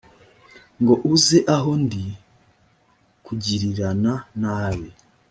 ngo uze aho ndi kugirirana nabi